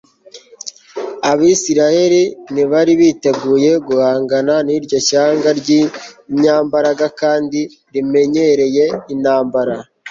abisiraheli ntibari biteguye guhangana n'iryo shyanga ry'irinyambaraga kandi rimenyereye intambara